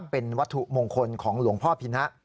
เป็นวัตถุมงคลของหลวงพ่อพิณะ